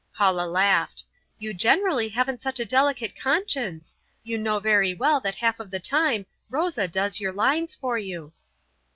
Paula laughed, "You generally haven't such a delicate conscience. You know very well that half of the time Rosa does your lines for you."